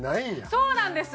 そうなんです。